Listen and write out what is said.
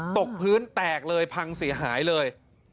ตกพื้นแตกเลยพังเสียหายเลย